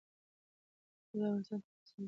پکتیکا د افغانستان طبعي ثروت دی.